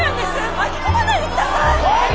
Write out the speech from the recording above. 巻き込まないで下さい！